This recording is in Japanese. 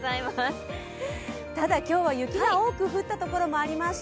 ただ今日は雪が多く降ったところもありました。